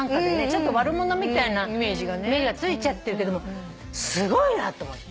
ちょっと悪者みたいなイメージがついちゃってるけどもすごいなと。